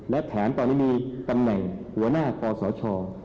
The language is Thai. และแถมตอนนี้มีตำแหน่งหัวหน้ากษช